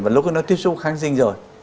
và lúc đó nó tiếp xúc kháng sinh rồi